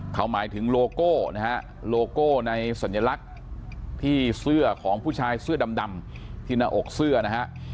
เขาหมายถึงโลโก้นะฮะโลโก้ในสัญลักษณ์ที่เสื้อของผู้ชายเสื้อดำที่หน้าอกเสื้อนะฮะ